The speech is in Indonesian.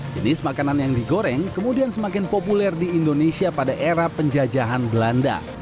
jenis makanan yang digoreng kemudian semakin populer di indonesia pada era penjajahan belanda